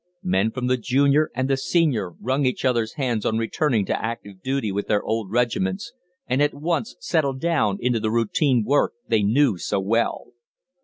Men from the "Junior" and the "Senior" wrung each other's hands on returning to active duty with their old regiments, and at once settled down into the routine work they knew so well.